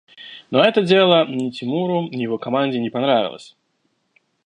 Но это дело ни Тимуру, ни его команде не понравилось.